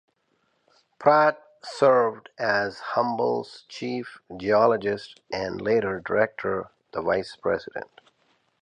Pratt served as Humble's chief geologist and later director, and vice president.